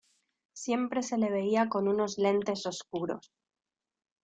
Siempre se le veía con unos lentes oscuros.